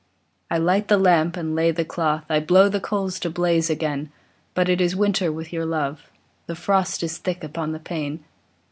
I light the lamp and lay the cloth, I blow the coals to blaze again; But it is winter with your love, The frost is thick upon the pane.